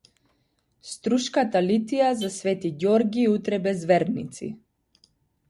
Струшката литија за свети Ѓорги утре без верници